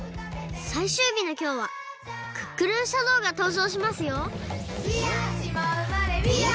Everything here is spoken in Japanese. さいしゅうびのきょうはクックルンシャドーがとうじょうしますよ！